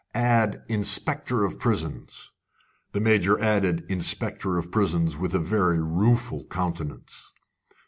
"Add 'Inspector of Prisons.'" The Major added "Inspector of Prisons," with a very rueful countenance.